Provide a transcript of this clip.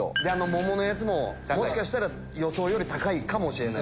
桃のやつももしかしたら予想より高いかもしれない。